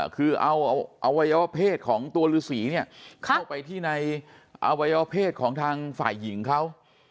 คือเอาอวัยวะเพศของตัวฤษีเนี่ยเข้าไปที่ในอวัยวเพศของทางฝ่ายหญิงเขา